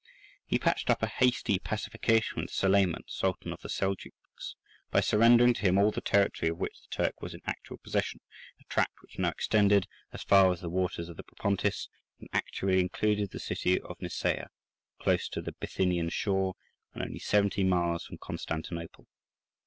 He patched up a hasty pacification with Suleiman, Sultan of the Seljouks, by surrendering to him all the territory of which the Turk was in actual possession, a tract which now extended as far as the waters of the Propontis, and actually included the city of Nicaea, close to the Bithynian shore, and only seventy miles from Constantinople.